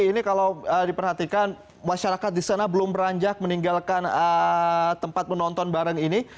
ini kalau diperhatikan masyarakat di sana belum beranjak meninggalkan tempat menonton bareng ini